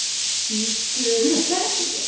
行く！